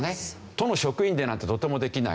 都の職員でなんてとてもできない。